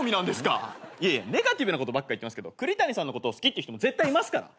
ネガティブなことばっか言ってますけど栗谷さんのことを好きって人も絶対いますから。